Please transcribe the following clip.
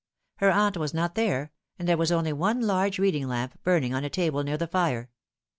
Her aunt was not there, and there was only one large reading lamp burning on a table near the fire.